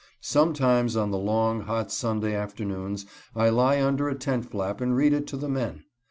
Sometimes on the long, hot Sunday afternoons I lie under a tent flap and read it to the men.